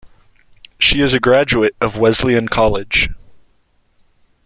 She is a graduate of Wesleyan College.